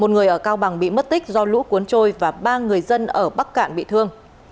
một người ở cao bằng bị mất tích do lũ cuốn trôi và ba người dân ở bắc cạn bị thương